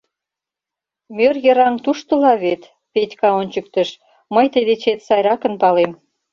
— Мӧр йыраҥ туштыла вет, — Петька ончыктыш, — мый тый дечет сайракын палем.